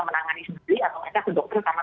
menangani sendiri atau mereka ke dokter sama